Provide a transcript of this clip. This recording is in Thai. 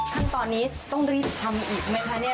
ขั้นตอนนี้ต้องรีบทำอีกไหมคะเนี่ย